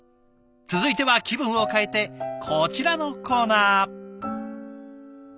続いては気分を変えてこちらのコーナー。